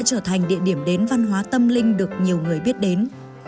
là một địa điểm đến văn hóa tâm linh được nhiều người biết đến